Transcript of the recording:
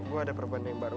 gue ada perbana yang baru